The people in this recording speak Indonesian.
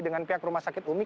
dengan pihak rumah sakit umi